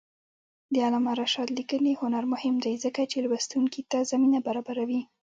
د علامه رشاد لیکنی هنر مهم دی ځکه چې لوستونکي ته زمینه برابروي.